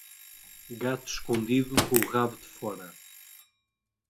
Gato escondido com o rabo de fora.